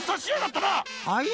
はい？